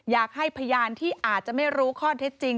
อยากให้พยานที่อาจจะไม่รู้ข้อเท็จจริง